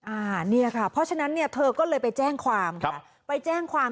อ่านี่ค่ะเพราะฉะนั้นเนี่ยเธอก็เลยไปแจ้งความ